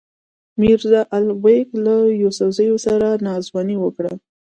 میرزا الغ بېګ له یوسفزیو سره ناځواني وکړه.